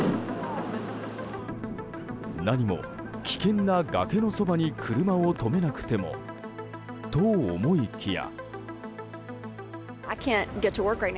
何も危険な崖のそばに車を止めなくてもと思いきや。